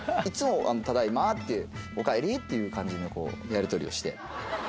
いつも「ただいま」って「おかえり」っていう感じのやりとりをして。